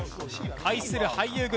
対する俳優軍